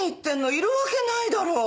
いるわけないだろう！